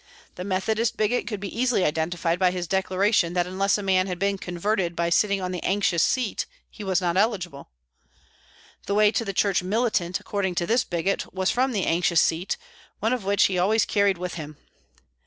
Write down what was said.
The Methodist bigot could be easily identified by his declaration that unless a man had been converted by sitting on the anxious seat he was not eligible. The way to the church militant, according to this bigot, was from the anxious seat, one of which he always carried with him.